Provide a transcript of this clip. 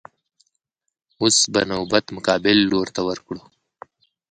اوس به نوبت مقابل لور ته ورکړو.